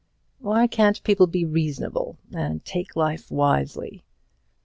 Why can't people be reasonable, and take life wisely?